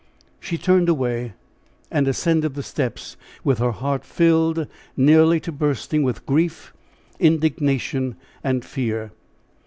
She turned away and ascended the steps with her heart filled nearly to bursting with grief, indignation and fear.